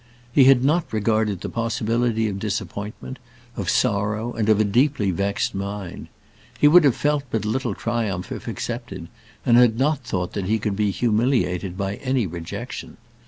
He had not regarded the possibility of disappointment, of sorrow, and of a deeply vexed mind. He would have felt but little triumph if accepted, and had not thought that he could be humiliated by any rejection.